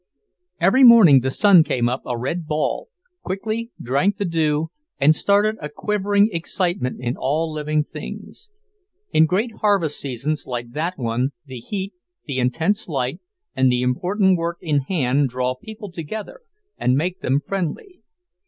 Every morning the sun came up a red ball, quickly drank the dew, and started a quivering excitement in all living things. In great harvest seasons like that one, the heat, the intense light, and the important work in hand draw people together and make them friendly.